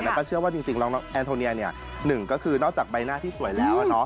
แล้วก็เชื่อว่าจริงแล้วน้องแอนโทเนียหนึ่งก็คือนอกจากใบหน้าที่สวยแล้ว